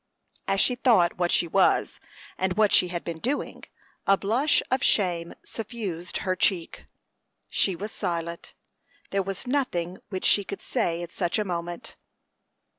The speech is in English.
As she thought what she was and what she had been doing, a blush of shame suffused her cheek. She was silent; there was nothing which she could say at such a moment.